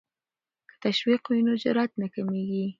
که تشویق وي نو جرات نه کمېږي.